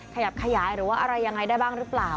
ขยับขยายหรือว่าอะไรยังไงได้บ้างหรือเปล่า